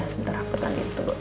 sebentar aku tandiin